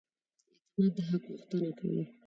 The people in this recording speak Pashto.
اعتماد د حق غوښتنه کوي.